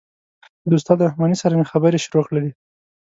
د استاد رحماني سره مې خبرې شروع کړلې.